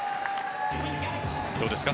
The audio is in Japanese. どうですか？